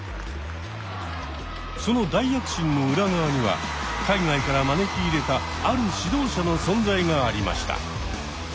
その大躍進の裏側には海外から招き入れたある指導者の存在がありました。